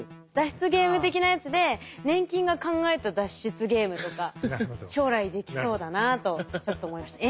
ゲーム的なやつで粘菌が考えた脱出ゲームとか将来できそうだなとちょっと思いました。